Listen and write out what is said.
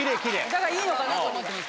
だからいいのかなと思ってます。